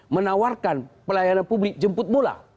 menawarkan pelayanan publik jemput bola